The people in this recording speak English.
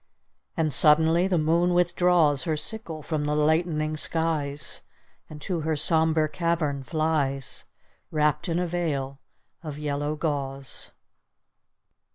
And suddenly the moon withdraws Her sickle from the lightening skies, And to her sombre cavern flies, Wrapped in a veil of yellow gauze.